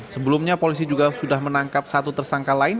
sebelumnya polisi juga sudah menangkap satu tersangka lain